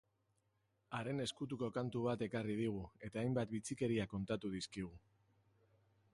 Haren ezkutuko kantu bat ekarri digu, eta hainbat bitxikeria kontatu dizkigu.